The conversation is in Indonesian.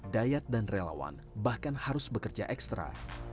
dayat dan relawan bahkan harus bekerja ekstra